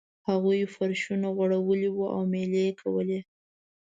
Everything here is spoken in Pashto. هغوی فرشونه غوړولي وو او میلې یې کولې.